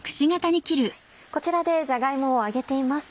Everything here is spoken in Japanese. こちらでじゃが芋を揚げています。